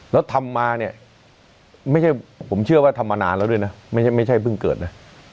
แล้วทำมาเนี่ยไม่ใช่ผมเชื่อว่าทำมานานแล้วด้วยนะไม่ใช่เพิ่งเกิดนะ